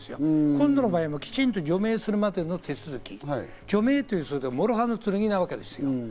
今回の場合はきちんと除名するまでの手続き、除名というのは諸刃の剣です。